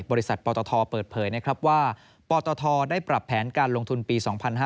บริษัทปอตทเปิดเผยว่าปอตทได้ปรับแผนการลงทุนปี๒๕๕๙